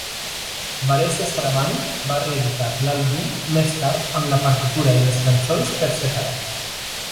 Varese Sarabande va reeditar l'àlbum més tard amb la partitura i les cançons per separat.